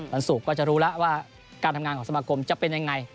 วันศุกร์ก็จะรู้แล้วว่าการทำงานของสมาคมจะเป็นยังไง